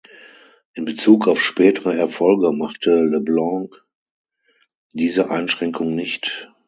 In Bezug auf spätere Erfolge machte Leblanc diese Einschränkung nicht.